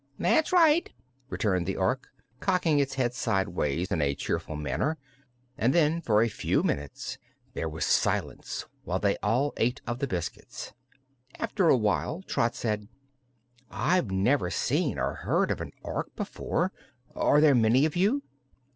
"That's right," returned the Ork, cocking its head sidewise in a cheerful manner, and then for a few minutes there was silence while they all ate of the biscuits. After a while Trot said: "I've never seen or heard of an Ork before. Are there many of you?"